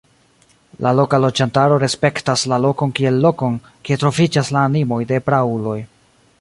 La loka loĝantaro respektas la lokon kiel lokon, kie troviĝas la animoj de prauloj.